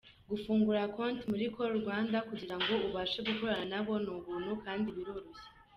Gufungura konti muri Call Rwanda kugirango ubashe gukorana nabo, ni ubuntu kandi biroroshye.